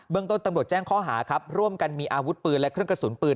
ต้นตำรวจแจ้งข้อหาครับร่วมกันมีอาวุธปืนและเครื่องกระสุนปืน